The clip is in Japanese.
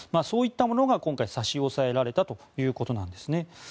そういったものが今回、差し押さえられたということです。